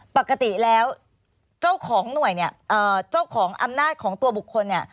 ปกติแล้วเจ้าของหน่วยเนี่ยเจ้าของอำนาจของตัวบุคคลเนี่ย